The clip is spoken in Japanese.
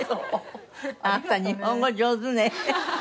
あなた日本語上手ね。